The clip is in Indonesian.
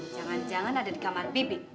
jangan jangan ada di kamar bibit